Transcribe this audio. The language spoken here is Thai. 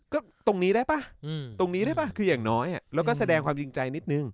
ก็ตรงนี้ได้ป่ะตรงนี้ได้ป่ะคืออย่างน้อยแล้วก็แสดงความจริงใจนิดนึง